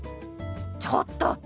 ちょっと！